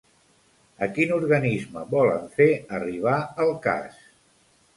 A quin organisme volen fer arribar el cas?